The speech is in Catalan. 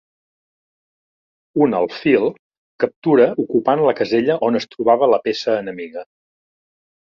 Un alfil captura ocupant la casella on es trobava la peça enemiga.